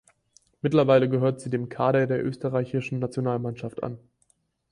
Mittlerweile gehört sie dem Kader der österreichischen Nationalmannschaft an.